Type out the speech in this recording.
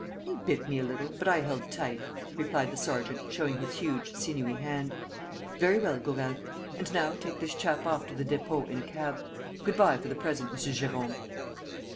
"He bit me a little, but I held tight," replied the sergeant, showing his huge, sinewy hand. "Very well, Gourel. And now take this chap off to the Dépôt in a cab. Good bye for the present, M. Jérôme."